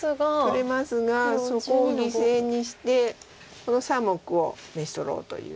取れますがそこを犠牲にしてこの３目を召し捕ろうという。